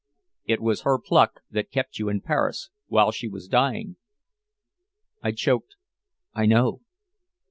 "It was her pluck that kept you in Paris while she was dying." I choked: "I know."